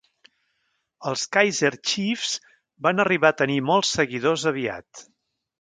Els Kaizer Chiefs van arribar a tenir molts seguidors aviat.